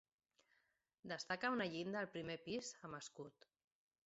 Destaca una llinda al primer pis amb escut.